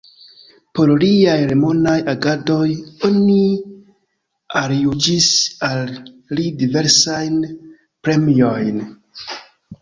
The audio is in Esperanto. Por liaj renomaj agadoj oni aljuĝis al li diversajn premiojn.